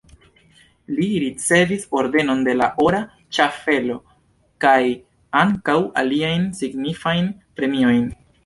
Li ricevis Ordenon de la Ora Ŝaffelo kaj ankaŭ aliajn signifajn premiojn.